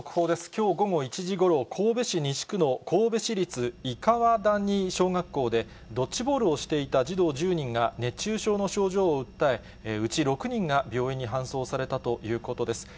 きょう午後１時ごろ、神戸市西区の神戸市立伊川谷小学校で、ドッジボールをしていた児童１０人が熱中症の症状を訴え、うち６人が病院に搬送されたということです。